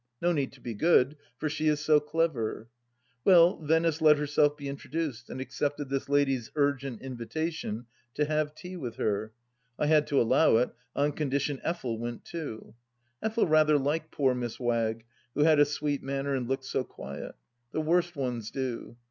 No need to be good, for she is so clever ! Well, Venice let herself be introduced, and accepted this lady's urgent invitation to have tea with her. I had to allow it, on condition Effel went too. Effel rather liked poor Miss Wagg, who had a sweet manner and looked so quiet. The worst ones do.